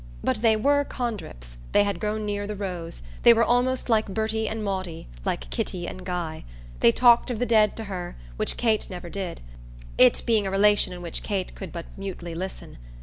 But they were Condrips they had grown near the rose; they were almost like Bertie and Maudie, like Kitty and Guy. They talked of the dead to her, which Kate never did; it being a relation in which Kate could but mutely listen.